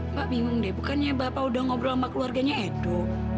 mbak bingung deh bukannya bapak udah ngobrol sama keluarganya edo